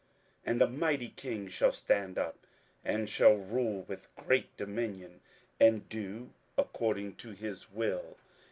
27:011:003 And a mighty king shall stand up, that shall rule with great dominion, and do according to his will.